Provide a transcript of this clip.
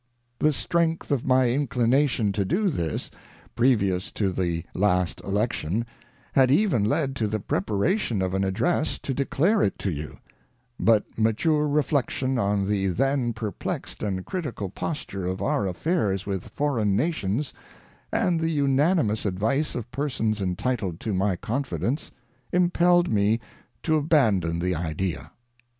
ŌĆö The strength of my inclination to do this, previous to the last election, had even led to the preparation of an address to declare it to you ; but mature reflection on the then perplexed and critical posture of our affairs with foreign Nations, and the unanimous advice of persons entitled to my confidence, impelled me to abandon the idea.